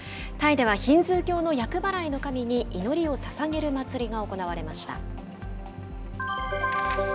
タイではヒンズー教の厄払いの神に祈りをささげる祭りが行われました。